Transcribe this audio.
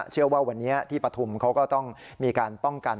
เชื่อว่าวันนี้ที่ปฐุมเขาก็ต้องมีการป้องกัน